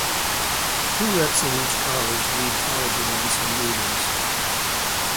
Two reps in each college lead college events and meetings.